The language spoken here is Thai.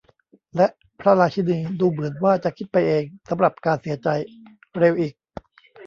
และพระราชินีดูเหมือนว่าจะคิดไปเองสำหรับการเสียใจ เร็วอีก !